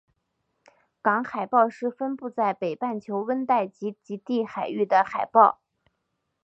港海豹是分布在北半球温带及极地海域的海豹。